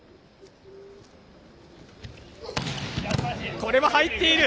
これは入っている。